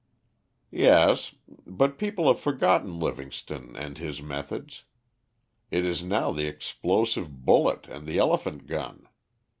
"Yes, but people have forgotten Livingstone and his methods. It is now the explosive bullet and the elephant gun.